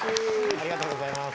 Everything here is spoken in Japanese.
ありがとうございます。